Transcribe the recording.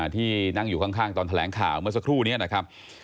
ที่นั่งอยู่ข้างตอนแถลงข่าวเมื่อสักครู่นี้นะครับ